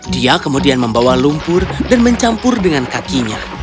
dia kemudian membawa lumpur dan mencampur dengan kakinya